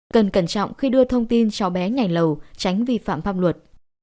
cần cẩn trọng khi đưa thông tin cho bé nhảy lầu tránh vi phạm pháp luật